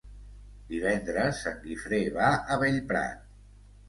Divendres en Guifré va a Bellprat.